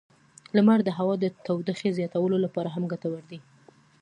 لمر د هوا د تودوخې زیاتولو لپاره هم ګټور دی.